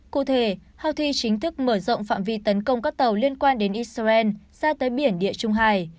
cụ thể houthi chính thức mở rộng phạm vi tấn công các tàu liên quan đến israel ra tới biển địa trung hải